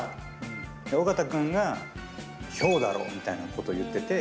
尾形君がヒョウだろうみたいなこと言ってて。